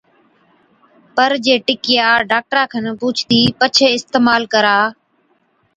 پَر جي ٽِڪِيا ڊاڪٽرا کن پُوڇتِي پڇي اِستعمال ڪرا،